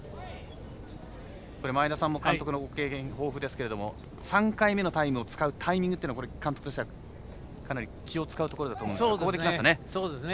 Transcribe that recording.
前田さんも監督のご経験、豊富ですけれど３回目のタイムを使うタイミング監督としてはかなり気を使うところだと思いますが、ここできましたね。